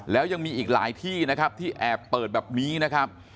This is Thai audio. แล้วยังมีอีกหลายที่นะครับที่แอบเปิดแบบนี้นะครับ